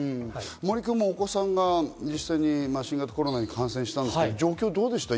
森くんもお子さんが実際に新型コロナに感染したんですけど、状況はどうでした？